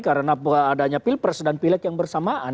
karena adanya pilpres dan pileg yang bersamaan